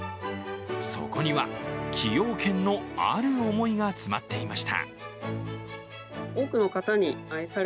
そこには、崎陽軒のある思いが詰まっていました。